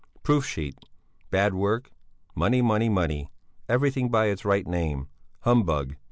Proof sheet. Bad work. Money money money. Everything by its right name. Humbug.